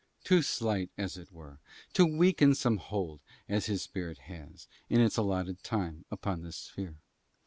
To slight it were to weaken such hold as his spirit has, in its allotted time, upon this sphere.